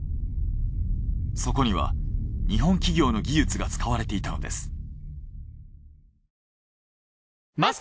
そこには日本企業の技術が使われていたのです。